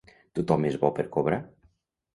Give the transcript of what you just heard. Tothom és bo per cobrar.